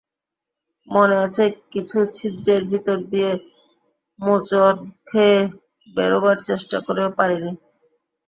মনে আছে কিছু ছিদ্রের ভিতর দিয়ে মোচড় খেয়ে বেরোবার চেষ্টা করেও পারিনি।